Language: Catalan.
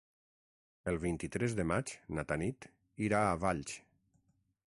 El vint-i-tres de maig na Tanit irà a Valls.